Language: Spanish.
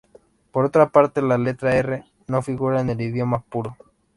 Por otra parte, la letra r no figura en el idioma puro.